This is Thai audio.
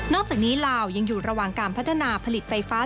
จากนี้ลาวยังอยู่ระหว่างการพัฒนาผลิตไฟฟ้า